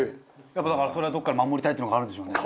やっぱだからそれはどっかで守りたいっていうのがあるんでしょうね。